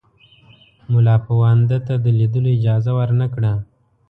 مُلاپوونده ته د لیدلو اجازه ورنه کړه.